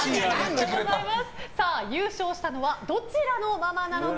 優勝したのはどちらのママか。